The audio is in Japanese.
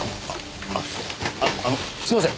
あああのすいません。